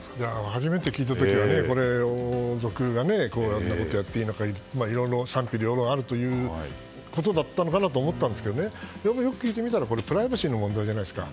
初めて聞いた時は王族がこんなことをやっていいのかといろいろ賛否両論あるということだったのかなと思ったんですけどよく聞いてみたらプライバシーの問題じゃないですか。